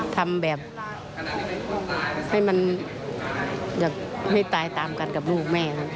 ทำแบบให้มันไม่ตายตามกันกับลูกแม่